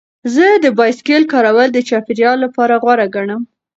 زه د بایسکل کارول د چاپیریال لپاره غوره ګڼم.